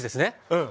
うん。